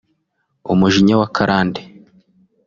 umujinya wa karande